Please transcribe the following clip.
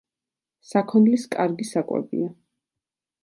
საქონლის კარგი საკვებია.